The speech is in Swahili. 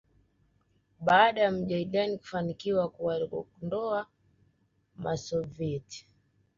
baada ya Mujahideen kufanikiwa kuwaondoa Wasoviet